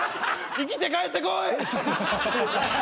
生きて帰ってこい！